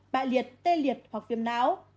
bại liệt tê liệt hoặc viêm não